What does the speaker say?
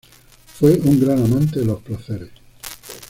Fue un gran amante de los placeres.